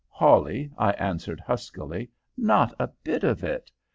"'Hawley,' I answered, huskily, 'not a bit of it.